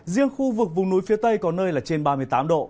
riêng khu vực vùng núi phía tây có nơi là trên ba mươi tám độ